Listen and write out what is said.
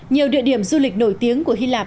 nhiều địa điểm du lịch nổi tiếng của hy lạp